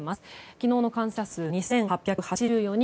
昨日の感染者数は２８８４人。